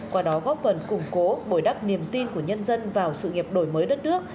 qua đó góp phần củng cố bồi đắp niềm tin của nhân dân vào sự nghiệp đổi mới đất nước